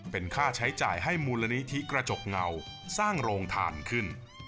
เป็นค่าใช้จ่ายให้มูลนิธิกระจกเงาสร้างโรงทานขึ้น